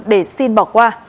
để xin bỏ qua